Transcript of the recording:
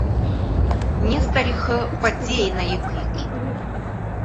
Несҭор ихы Кәаҵиа инаиқәикит.